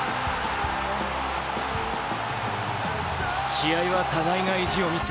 試合は互いが意地を見せ